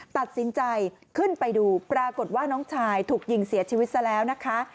ตัดสินใจขึ้นไปดูปรากฏว่าน้องชายถูกยิงเสียชีวิตซะแล้วนะคะ